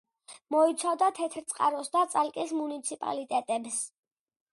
მოიცავდა თეთრიწყაროს და წალკის მუნიციპალიტეტებს.